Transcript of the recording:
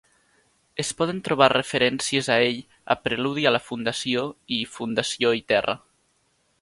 Es poden trobar referències a ell a "Preludi a la Fundació" i "Fundació i Terra".